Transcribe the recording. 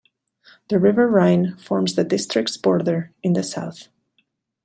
The river Rhine forms the district's border in the south.